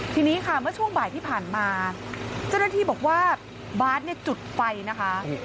ทีนี้ค่ะเมื่อช่วงบ่ายที่ผ่านมาเจ้าหน้าที่บอกว่าบาสเนี่ยจุดไฟนะคะ